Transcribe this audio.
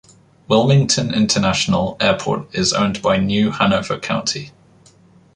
Wilmington International Airport is owned by New Hanover County.